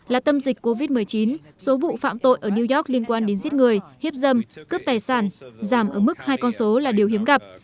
là tâm dịch covid một mươi chín số vụ phạm tội ở new york liên quan đến giết người hiếp dâm cướp tài sản giảm ở mức hai con số là điều hiếm gặp